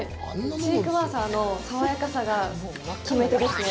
シークワーサーの爽やかさが決め手ですね。